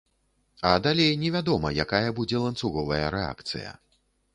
А далей невядома, якая будзе ланцуговая рэакцыя.